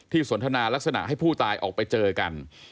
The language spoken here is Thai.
สนทนาลักษณะให้ผู้ตายออกไปเจอกัน